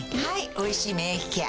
「おいしい免疫ケア」